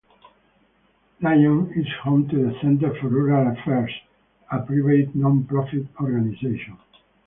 Lyons is home to the Center for Rural Affairs, a private non-profit organization.